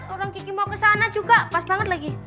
orang kiki mau kesana juga pas banget lagi